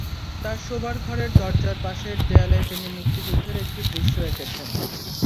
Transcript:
তাঁর শোবার ঘরের দরজার পাশের দেয়ালে তিনি মুক্তিযুদ্ধের একটি দৃশ্য এঁকেছেন।